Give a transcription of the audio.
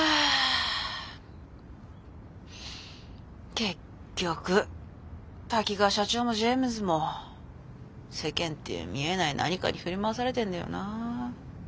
結局滝川社長もジェームズも世間っていう見えない何かに振り回されてんだよなあ。